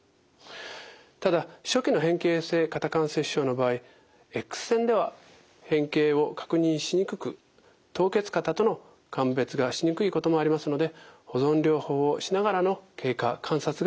ただ初期の変形性肩関節症の場合Ｘ線では変形を確認しにくく凍結肩との鑑別がしにくいこともありますので保存療法をしながらの経過観察が大切です。